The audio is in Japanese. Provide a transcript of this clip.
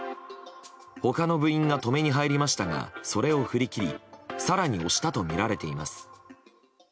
他の部員が止めに入りましたがそれを振り切り更に押したとみられています。